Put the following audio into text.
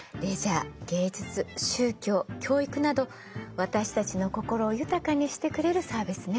芸術宗教教育など私たちの心を豊かにしてくれるサービスね。